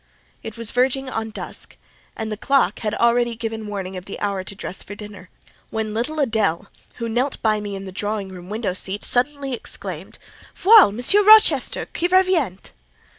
It was verging on dusk, and the clock had already given warning of the hour to dress for dinner, when little Adèle, who knelt by me in the drawing room window seat, suddenly exclaimed— "Voilà Monsieur Rochester, qui revient!"